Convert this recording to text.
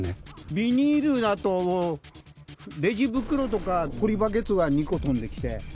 ビニールだともう、レジ袋とかポリバケツが２個飛んできて。